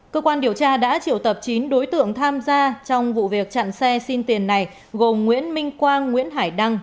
cơ quan điều tra đã triệu tập chín đối tượng tham gia trong vụ việc chặn xe xin tiền này gồm nguyễn minh quang nguyễn hải đăng